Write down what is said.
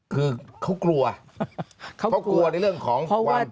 คือเขากลัวเขากลัวในเรื่องของความผิดที่กล่าวโทษ